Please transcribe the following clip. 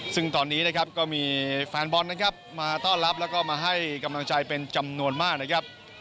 ซึ่งตอนนี้นะครับก็มีแฟนบอลนะครับมาต้อนรับแล้วก็มาให้กำลังใจเป็นจำนวนมากนะครับ